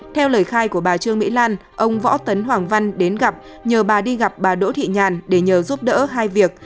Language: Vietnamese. theo lời khai của bà trương mỹ lan ông võ tấn hoàng văn đến gặp nhờ bà đi gặp bà đỗ thị nhàn để nhờ giúp đỡ hai việc